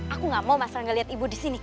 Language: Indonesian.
aku gak mau masalah gak liat ibu disini